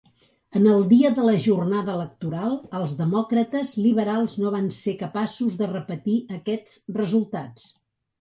En el dia de la jornada electoral els Demòcrates Liberals no van ser capaços de repetir aquests resultats.